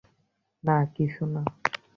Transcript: না, কিছু না।